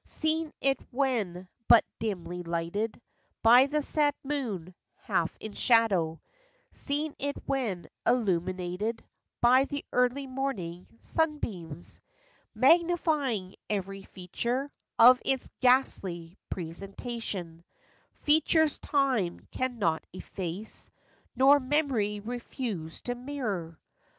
Seen it when but dimly lighted By the sad moon, half in shadow; Seen it when illuminated By the early morning sunbeams, Magnifying every feature Of its ghastly presentation— Features time can not efface, nor Memory refuse to mirror.